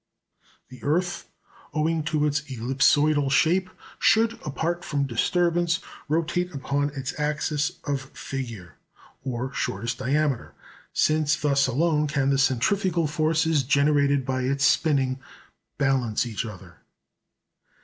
The earth, owing to its ellipsoidal shape, should, apart from disturbance, rotate upon its "axis of figure," or shortest diameter; since thus alone can the centrifugal forces generated by its spinning balance each other.